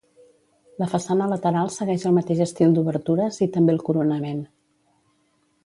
La façana lateral segueix el mateix estil d'obertures i també el coronament.